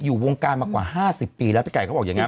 อยู่วงการมากว่า๕๐ปีแล้วพี่ไก่เขาบอกอย่างนี้